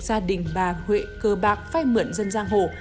gia đình bà huệ cơ bạc phai mượn dân giang hồ